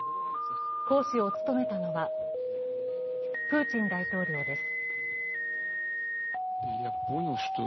講師を務めたのはプーチン大統領です。